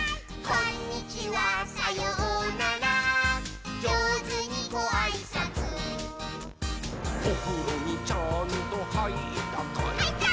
「こんにちはさようならじょうずにごあいさつ」「おふろにちゃんとはいったかい？」はいったー！